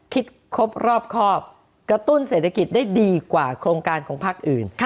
ครบรอบกระตุ้นเศรษฐกิจได้ดีกว่าโครงการของพักอื่น